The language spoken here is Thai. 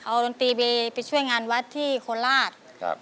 เอาดนตรีเบย์ไปช่วยงานวัดที่โคราช